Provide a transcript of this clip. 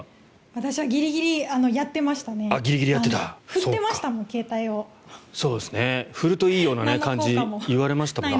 私はギリギリやってましたね。